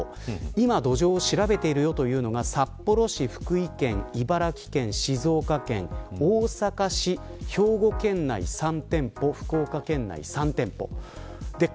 現在、土壌を調べているのが札幌市、福井県、茨城県、静岡県大阪市、兵庫県内３店舗福岡県内３店舗です。